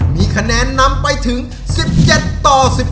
มีคะแนนนำไปถึง๑๗ต่อ๑๘